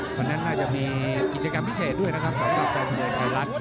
คนนั้นเราเองจะมีกิจกรรมพิเศษด้วยนะครับจากกลางไทยรัส